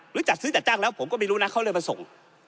จัดซื้อจัดจ้างแล้วผมก็ไม่รู้นะเขาเลยมาส่ง